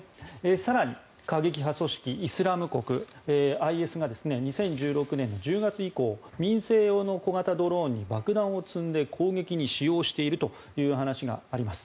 更に過激派組織イスラム国・ＩＳが２０１６年１０月以降民生用の小型ドローンに爆弾を積んで攻撃に使用しているという話があります。